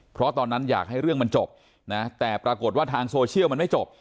เพราะตอนนั้นอยากให้เรื่องมันจบนะแต่ปรากฏว่าทางโซเชียลมันไม่จบ